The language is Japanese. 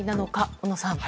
小野さん。